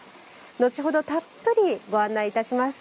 後ほどたっぷりご案内いたします。